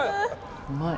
うまい。